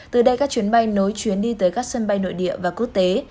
từ đây các chuyến bay nối chuyến đi tới các sân bay nội địa và quốc tế